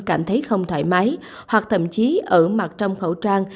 cảm thấy không thoải mái hoặc thậm chí ở mặt trong khẩu trang